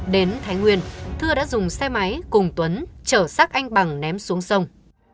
đến thái nguyên thưa đã dùng xe máy cùng tuấn trở xác anh bằng ném xuống sông